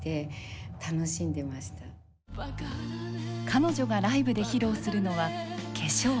彼女がライブで披露するのは「化粧」。